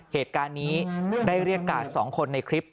เหตุการณ์นี้ได้เรียกกาด๒คนในคลิป